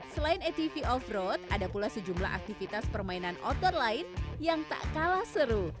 selain atv off road ada pula sejumlah aktivitas permainan outdoor lain yang tak kalah seru